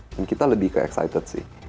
dan kita lebih ke excited sih